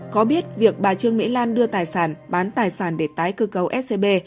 có biết việc bà trương mỹ lan đưa tài sản bán tài sản để tái cơ cấu scb